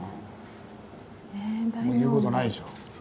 もう言う事ないでしょ。